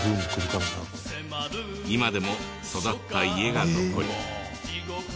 今でも育った家がここに。